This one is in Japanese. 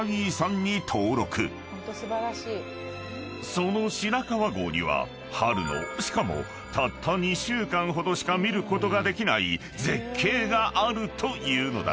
［その白川郷には春のしかもたった２週間ほどしか見ることができない絶景があるというのだ］